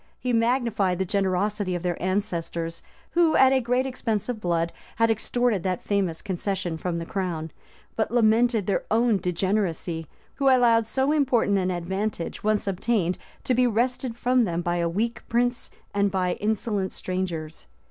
He magnified the generosity of their ancestors, who, at a great expense of blood, had extorted that famous concession from the crown; but lamented their own degeneracy, who allowed so important an advantage, once obtained, to be wrested from them by a weak prince and by insolent strangers.